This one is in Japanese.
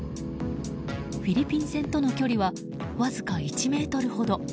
フィリピン船との距離はわずか１ｍほど。